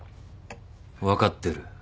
分かってる。